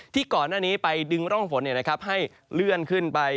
ก่อนหน้านี้ไปดึงร่องฝนให้เลื่อนขึ้นไป